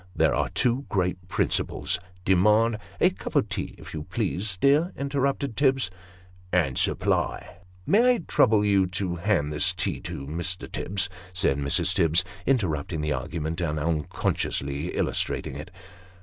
" There are two great principles demand "" A cup of tea if you please, dear," interrupted Tibbs. " And supply "May I trouble you to hand this tea to Mr. Tibbs?" said Mrs. Tibbs, interrupting the argument, and unconsciously illustrating it.